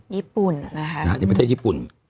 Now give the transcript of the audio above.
ญี่ปุ่นนะคะนี่ประเทศญี่ปุ่น